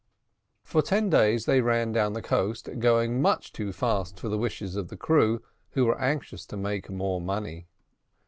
For ten days they ran down the coast, going much too fast for the wishes of the crew, who were anxious to make more money.